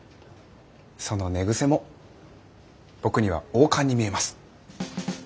その寝癖も僕には王冠に見えます。